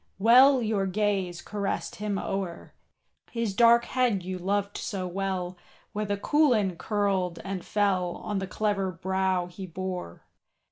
Well your gaze caressed him o'er, His dark head you loved so well, Where the coulin curled and fell On the clever brow he bore.